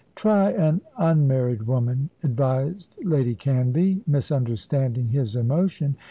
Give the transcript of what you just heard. "Try an unmarried woman," advised Lady Canvey, misunderstanding his emotion.